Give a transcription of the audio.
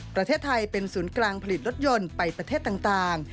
ประเทศไทยเป็นศูนย์กลางผลิตรถยนต์ไปประเทศต่าง